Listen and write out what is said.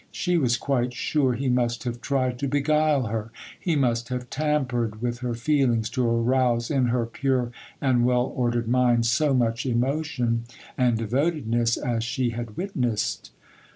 She was quite sure he must have tried to beguile her—he must have tampered with her feelings to arouse in her pure and well ordered mind so much emotion and devotedness as she had witnessed.